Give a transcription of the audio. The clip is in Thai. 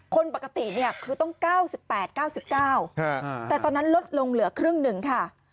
คนปกติเนี่ยคือต้อง๙๘๙๙แต่ตอนนั้นลดลงเหลือครึ่งหนึ่งค่ะ